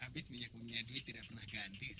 habis minyak memiliki duit tidak pernah ganti sih